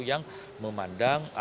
yang memandang agendanya